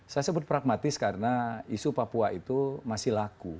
saya sebut pragmatis karena isu papua itu masih laku